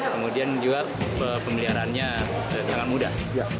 kemudian juga pemeliharaannya sangat mudah